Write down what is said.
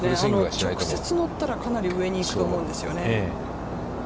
直接、乗ったらかなり上に行くと思うんですよね。